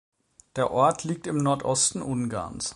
Der Ort liegt im Nordosten Ungarns.